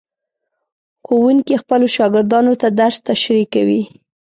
ښوونکي خپلو شاګردانو ته درس تشریح کوي.